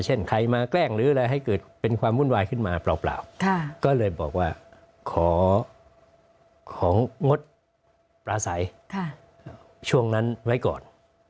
เช่นใครมาแกล้งหรืออะไรให้เกิดเป็นความวุ่นวายขึ้นมาเปล่าก็เลยบอกว่าของงดปลาใสช่วงนั้นไว้ก่อน